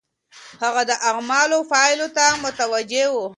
هغه د اعمالو پايلو ته متوجه و.